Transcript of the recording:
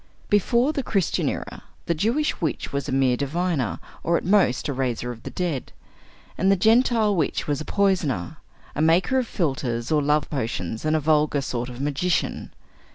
Before the Christian era, the Jewish witch was a mere diviner or at most a raiser of the dead, and the Gentile witch was a poisoner, a maker of philtres or love potions, and a vulgar sort of magician.